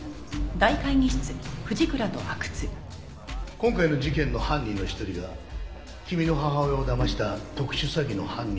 今回の事件の犯人の一人が君の母親をだました特殊詐欺の犯人と同じ。